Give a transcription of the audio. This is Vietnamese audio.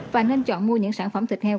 và nên chọn mua những sản phẩm thịt heo